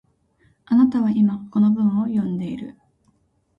あなたは今、この文を読んでいる